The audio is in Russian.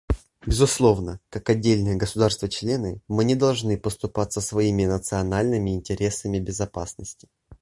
Безусловно, как отдельные государства-члены, мы не должны поступаться своими национальными интересами безопасности.